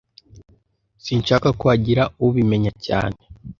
Sinshaka ko hagira ubimenya cyane